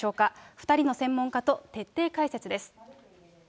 ２人の専門家と徹底解説です。